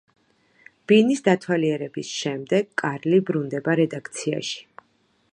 ბინის დათვალიერების შემდეგ, კარლი ბრუნდება რედაქციაში.